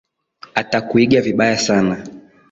Atakuiga vibaya sana.